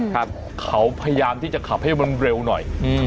แต่เขาพยายามที่จะขับให้มันเร็วหน่อย